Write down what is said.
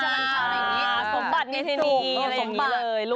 สมบัตินิทีนี้อะไรอย่างนี้เลย